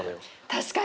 確かに。